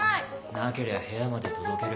なけりゃ部屋まで届ける。